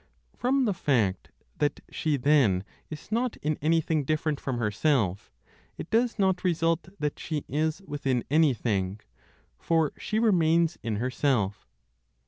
From the fact that she then is not in anything different from herself, it does not result that she is within anything, for she remains in herself.